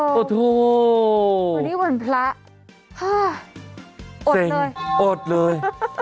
เออวันนี้วันพระโอดเลยเซงโอดเลย